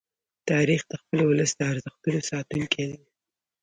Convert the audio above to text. تاریخ د خپل ولس د ارزښتونو ساتونکی دی.